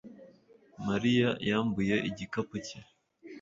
mariya yambuye igikapu cye